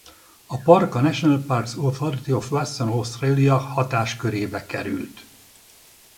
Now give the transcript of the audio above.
A park a National Parks Authority of Western Australia hatáskörébe került.